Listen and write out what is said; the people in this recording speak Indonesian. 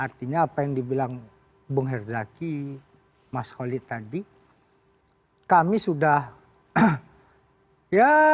artinya apa yang dibilang bung herzaki mas holid tadi kami sudah ya